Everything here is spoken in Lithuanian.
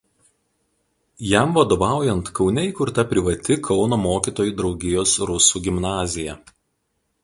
Jam vadovaujant Kaune įkurta privati Kauno mokytojų draugijos rusų gimnazija.